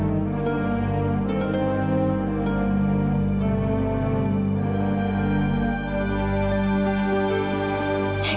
tapi edo tidak tahu